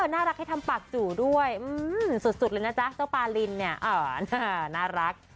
น่ารักให้ทำปากจู่ด้วยสุดเลยนะจ๊ะเจ้าปาลินเนี่ยน่ารัก